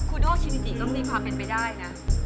ูโดคิมิติก็มีความเป็นไปได้นะ